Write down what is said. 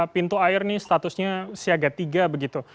pintu air ini statusnya siaga tiga begitu